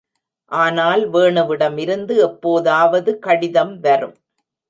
ஆனால் வேணுவிடமிருந்து எப்போதாவது கடிதம் வரும்.